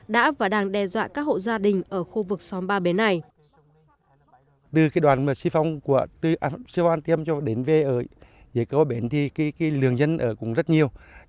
đã và đang đe dọa các hộ gia đình ở khu vực xóm ba bến này